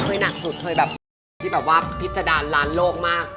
หนักสุดเคยแบบที่แบบว่าพิษดารร้านโลกมาก